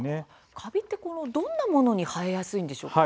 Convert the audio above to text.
カビは、どんなものに生えやすいんですか。